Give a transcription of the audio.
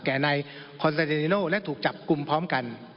แก่ในคอนเซเดนิโน่และถูกจับกลุ่มพร้อมกัน